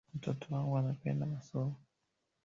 Mtoto wangu anapenda masomo